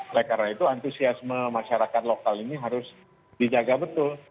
oleh karena itu antusiasme masyarakat lokal ini harus dijaga betul